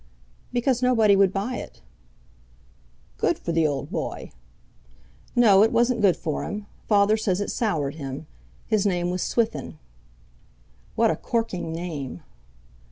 "Because nobody would buy it." "Good for the old boy!" "No, it wasn't good for him. Father says it soured him. His name was Swithin." "What a corking name!"